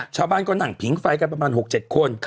ชาวบ้านก็นั่งผิงไฟกันประมาณ๖๗คน